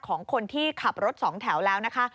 ของคนที่ขับรถสองแถวแล้วนะคะ